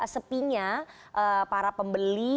sepinya para pembeli